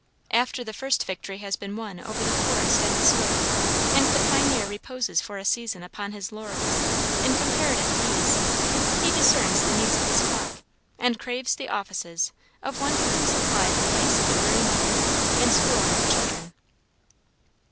After the first victory has been won over the forest and the soil, and the pioneer reposes for a season upon his laurels, in comparative ease, he discerns the needs of his flock, and craves the offices of one who can supply the place of the weary mother in schooling the children.